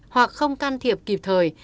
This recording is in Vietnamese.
hoặc không can thiệp kịp thời